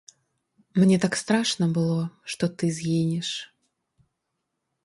Мне так страшна было, што ты згінеш.